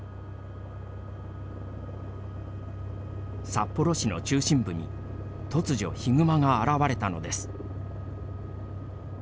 札幌市の中心部に突如、ヒグマが現れたのです。